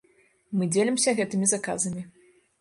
Мы дзелімся гэтымі заказамі.